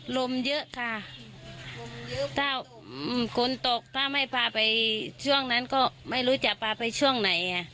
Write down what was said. ลมเยอะค่ะถ้าฝนตกถ้าไม่พาไปช่วงนั้นก็ไม่รู้จะพาไปช่วงไหน